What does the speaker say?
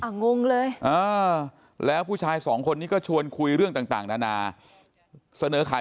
งงเลยแล้วผู้ชายสองคนนี้ก็ชวนคุยเรื่องต่างนานาเสนอขาย